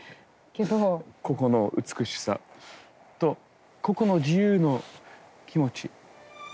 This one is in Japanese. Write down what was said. ここの美しさとここの自由の気持ち。